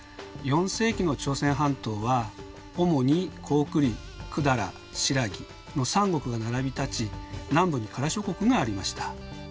４世紀の朝鮮半島は主に高句麗百済新羅の三国が並びたち南部に加羅諸国がありました。